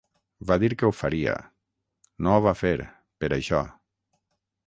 Va dir que ho faria: no ho va fer, per això.